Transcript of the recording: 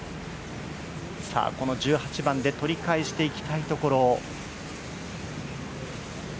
この１８番で取り返していきたいところ。